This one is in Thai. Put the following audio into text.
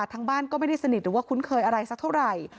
ทั้งบ้านก็ไม่ได้สนิทหรือว่าคุ้นเคยอะไรสักเท่าไหร่